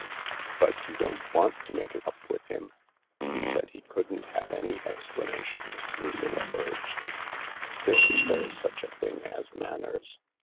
But you don't want to make it up with him. You said he couldn't have any explanations," Lucilla urged. " Still, there's such a thing as manners.